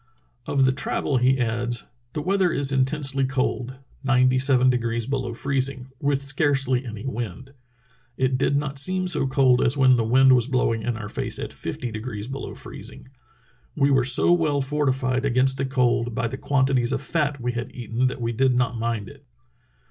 Of the travel he adds: The weather is intensely cold, ninety seven degrees below freezing, with scarcely any wind. It did not seem so cold as when the wind was blowing in our face at fifty degrees below freez ing. We were so well fortified against the cold by the quantities of fat we had eaten that we did not mmd It.